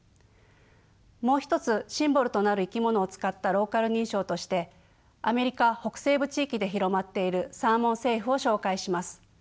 もう一つシンボルとなる生き物を使ったローカル認証としてアメリカ北西部地域で広まっているサーモン・セーフを紹介します。